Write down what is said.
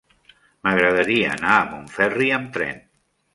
M'agradaria anar a Montferri amb tren.